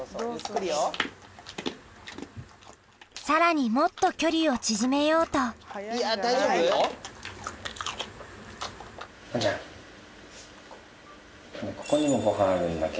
さらにもっと距離を縮めようとウォンちゃん。